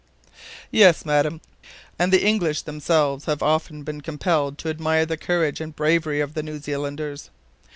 "Yes, Madam, and the English themselves have often been compelled to admire the courage and bravery of the New Zealanders.